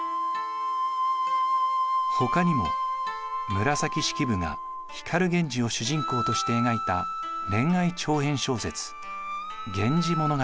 ほかにも紫式部が光源氏を主人公として描いた恋愛長編小説「源氏物語」。